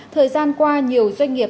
thời gian qua nhiều doanh nghiệp